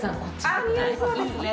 ああ、似合いそうですね。